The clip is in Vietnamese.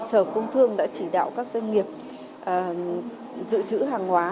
sở công thương đã chỉ đạo các doanh nghiệp dự trữ hàng hóa